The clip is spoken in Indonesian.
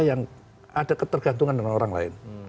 yang ada ketergantungan dengan orang lain